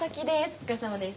お疲れさまです。